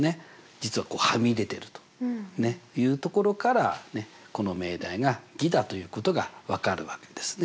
実ははみ出てるというところからこの命題が偽だということが分かるわけですね。